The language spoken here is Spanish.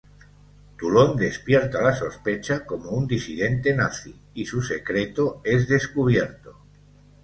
Toulon despierta la sospecha como un disidente nazi, y su secreto es descubierto.